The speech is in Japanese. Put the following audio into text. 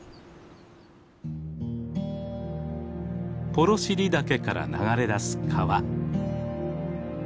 幌尻岳から流れだす川。